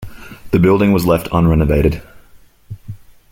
The building was left unrenovated.